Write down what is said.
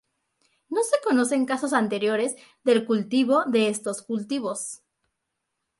No se conocen casos anteriores del cultivo de estos cultivos.